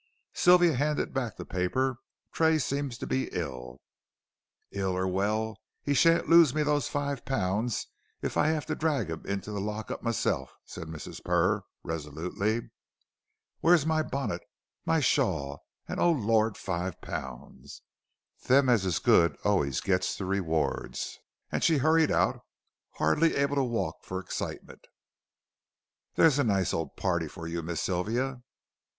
Sylvia handed back the paper. "Tray seems to be ill." "Ill or well, he sha'n't lose me five pun, if I 'ave to drag 'im to the lock up m'self," said Mrs. Purr, resolutely. "Where's my bunnet my shawl oh lor' five pun! Them is as good allays gits rewards," and she hurried out, hardly able to walk for excitement. "There's a nice ole party fur you, Miss Sylvia?"